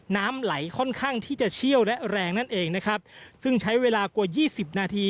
น้ำไหลค่อนข้างที่จะเชี่ยวและแรงนั่นเองนะครับซึ่งใช้เวลากว่ายี่สิบนาที